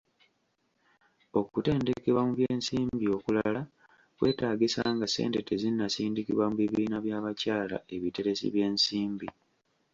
Okutendekebwa mu by'ensimbi okulala kwetaagisa nga ssente tezinnasindikibwa mu bibiina by'abakyala ebiteresi by'ensimbi.